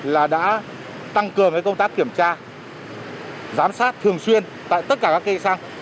là đã tăng cường công tác kiểm tra giám sát thường xuyên tại tất cả các cây xăng